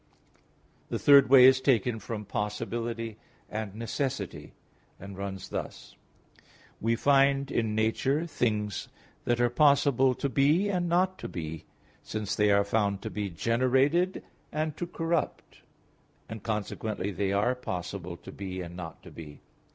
The third way is taken from possibility and necessity, and runs thus. We find in nature things that are possible to be and not to be, since they are found to be generated, and to corrupt, and consequently, they are possible to be and not to be.